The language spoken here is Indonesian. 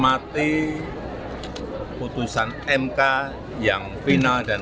menolak seluruh gugatan s til dan ils dll